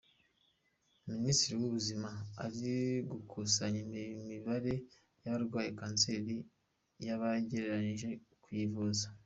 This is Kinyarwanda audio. Minisiteri y’Ubuzima iri gukusanya imibare y’abarwaye kanseri n’abagerageje kuyivuza.